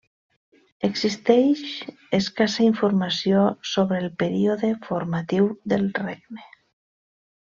Existeix escassa informació sobre el període formatiu del regne.